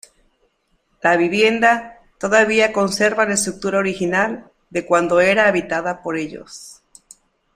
La vivienda todavía conserva la estructura original de cuando era habitada por ellos.